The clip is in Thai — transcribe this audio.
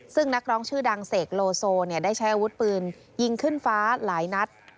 ซึ่งนักร้องชื่อดังเสกโลโซได้ใช้อาวุธปืนยิงขึ้นฟ้าหลายนัด